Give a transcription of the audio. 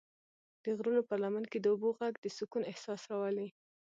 د غرونو پر لمن کې د اوبو غږ د سکون احساس راولي.